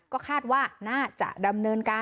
ก็คาดว่าน่าจะดำเนินการ